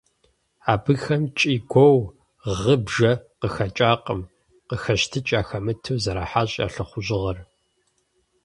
Абыхэм кӀий-гуо, гъы-бжэ къахэкӀакъым – къыхэщтыкӀ яхэмыту, зэрахьащ я лӀыхъужьыгъэр.